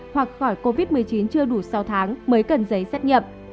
hoặc khỏi covid một mươi chín chưa đủ sáu tháng mới cần giấy xét nghiệm